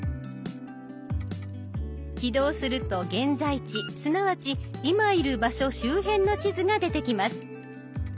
起動すると現在地すなわち「いまいる場所」周辺の地図が出てきます。